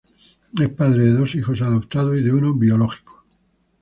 Es padre de dos hijos adoptados y de uno biológico.